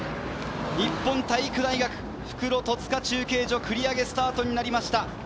日本体育大学、復路、戸塚中継所、繰り上げスタートになりました。